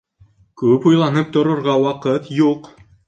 Күп уйланып торорға ваҡыт юҡ.